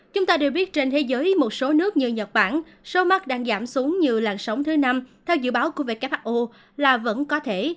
chúng ta đều biết trên thế giới một số nước như nhật bản số mắc đang giảm xuống như làn sóng thứ năm theo dự báo của who là vẫn có thể